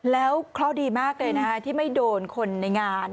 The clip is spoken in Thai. แล้วเคราะห์ดีมากเลยนะคะที่ไม่โดนคนในงาน